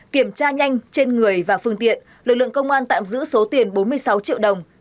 kiểm tra nhanh trên người và phương tiện lực lượng công an tạm giữ số tiền bốn mươi sáu triệu đồng